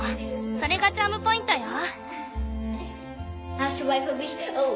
それがチャームポイントよ。